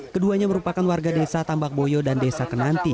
keduanya merupakan warga desa tambak boyo dan desa kenanti